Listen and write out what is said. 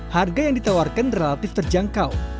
harga yang ditawarkan relatif terjangkau